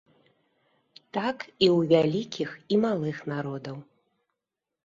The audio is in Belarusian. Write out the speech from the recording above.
Так і ў вялікіх і малых народаў.